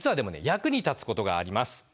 役に立つことがあります。